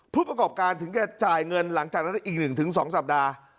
ผู้ประกอบการถึงจะจ่ายเงินหลังจากนั้นอีก๑๒สัปดาห์